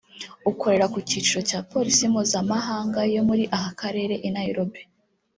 ukorera ku cyicaro cya Polisi Mpuzamahanga yo muri aka karere i Nairobi